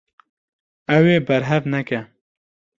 Ew ê berhev neke.